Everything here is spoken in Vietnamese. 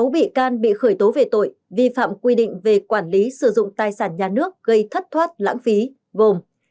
sáu bị can bị khởi tố về tội vi phạm quy định về quản lý sử dụng tài sản nhà nước gây thất thoát lãng phí gồm